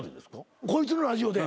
こいつのラジオで。